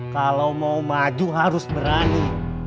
kalau mau maju harus berani